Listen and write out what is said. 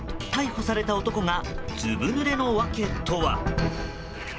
逮捕された男がずぶぬれの訳とは。